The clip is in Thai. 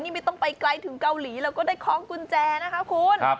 นี่ไม่ต้องไปไกลถึงเกาหลีแล้วก็ได้คล้องกุญแจนะคะคุณ